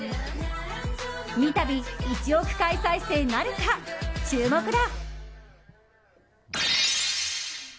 三度１億回再生なるか、注目だ。